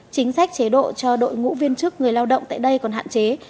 chính sách chế độ cho đội ngũ viên chức người lao động tại đây còn hạn chế